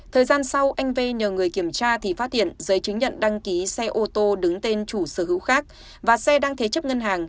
thời gian sau anh v nhờ người kiểm tra thì phát hiện giấy chứng nhận đăng ký xe ô tô đứng tên chủ sở hữu khác và xe đang thế chấp ngân hàng